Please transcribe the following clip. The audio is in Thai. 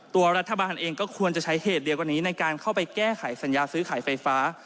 ตัวรัฐบาลเองก็ควรจะใช้เหตุเดียวกว่านี้ในการเข้าไปแก้ไขสัญญาซื้อขายไฟฟ้า